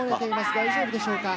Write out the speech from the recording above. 大丈夫でしょうか？